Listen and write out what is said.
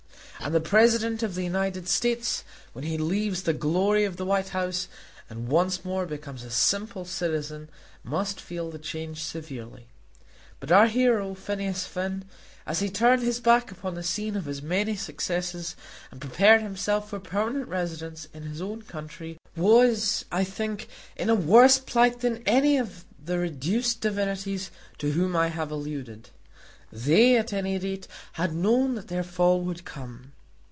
And the President of the United States when he leaves the glory of the White House and once more becomes a simple citizen must feel the change severely. But our hero, Phineas Finn, as he turned his back upon the scene of his many successes, and prepared himself for permanent residence in his own country, was, I think, in a worse plight than any of the reduced divinities to whom I have alluded. They at any rate had known that their fall would come.